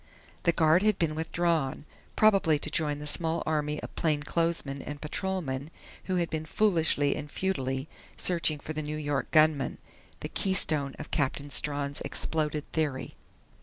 The guard had been withdrawn, probably to join the small army of plainclothesmen and patrolmen who had been foolishly and futilely searching for the New York gunman the keystone of Captain Strawn's exploded theory.